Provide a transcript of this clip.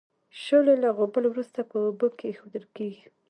شولې له غوبل وروسته په اوبو کې اېښودل کیږي.